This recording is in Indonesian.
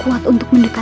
anda terlalu cenderung